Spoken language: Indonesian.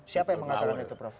siapa yang mengatakan itu prof